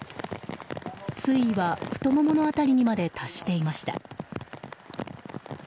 水位は、太ももの辺りにまで達していました。